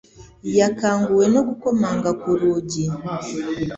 Yakanguwe no gukomanga ku rugi.